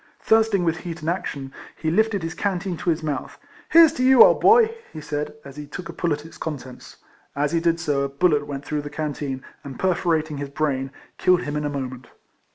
Thirst ing with heat and action, he lifted his can teen to his mouth; "Here's to you, old boy," he said, as he took a pull at its contents. As he did so a bullet went through the can teen, and perforating his brain, killed him in a moment.